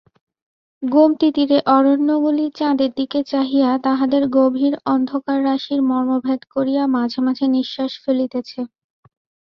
গোমতীতীরের অরণ্যগুলি চাঁদের দিকে চাহিয়া তাহাদের গভীর অন্ধকাররাশির মর্মভেদ করিয়া মাঝে মাঝে নিশ্বাস ফেলিতেছে।